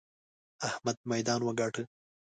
احمد ميدان وګاټه!